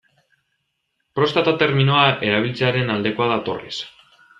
Prostata terminoa erabiltzearen aldekoa da Torres.